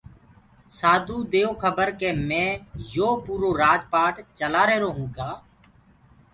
سآڌوٚ ديئو کَبَر ڪي مي يو پوٚرو رآج پآٽ چلآهيرونٚ ڪآ